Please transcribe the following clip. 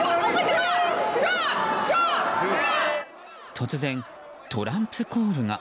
突然、トランプコールが。